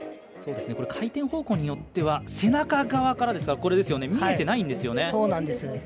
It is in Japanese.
回転方向によっては背中側からですから見えてないんですよね。